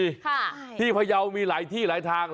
ค่ะที่พยาวมีหลายที่หลายทาง